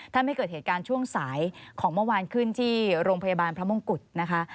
ถ้าไม่เกิดเหตุการณ์ช่วงสายของเมื่อวานขึ้นที่โรงพยาบาลพระมงกุฎนะคะ